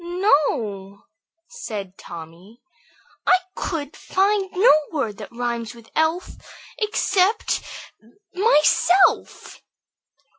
"No," said Tommy, "I could find no word that rhymes with 'elf' except 'myself.'"